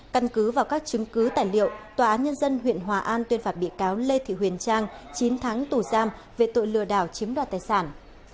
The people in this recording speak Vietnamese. căn cứ vào các chứng cứ tài liệu tòa án nhân dân huyện hòa an tuyên phạt bị cáo lê thị huyền trang chín tháng tù giam về tội lừa đảo chiếm đoạt tài sản